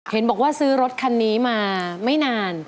เห็นบอกว่าซื้อรถคันนี้มาไม่นาน